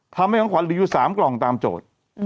ทำให้ของขวัญเหลืออยู่๓กล่องตามโจทย์